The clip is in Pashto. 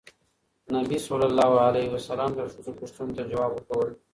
نبي ﷺ د ښځو پوښتنو ته ځواب ورکول.